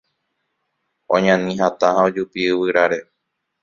Oñani hatã ha ojupi yvyráre